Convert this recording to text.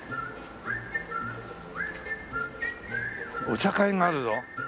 お茶会があるぞ。